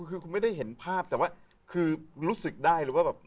คือคุณไม่ได้เห็นภาพแต่ว่าคือรู้สึกได้เลยว่าแบบ